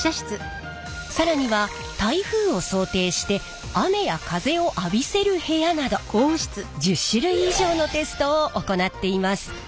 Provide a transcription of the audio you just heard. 更には台風を想定して雨や風を浴びせる部屋など１０種類以上のテストを行っています。